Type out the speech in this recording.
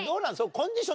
コンディション